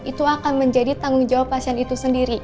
itu akan menjadi tanggung jawab pasien itu sendiri